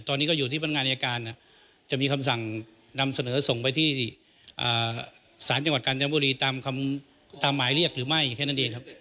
ตอนนี้ก็อยู่ที่พนักงานอายการจะมีคำสั่งนำเสนอส่งไปที่ศาลจังหวัดกาญจนบุรีตามหมายเรียกหรือไม่แค่นั้นเองครับ